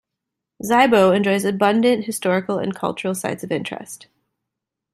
Zibo enjoys abundant historical and cultural sites of interest.